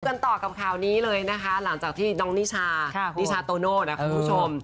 กันต่อกับข่าวนี้เลยนะคะหลังจากที่น้องนิชานิชาโตโน่นะครับคุณผู้ชม